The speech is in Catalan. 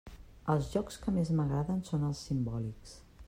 Els jocs que més m'agraden són els simbòlics.